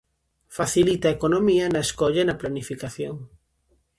Facilita a economía na escolla e na planificación.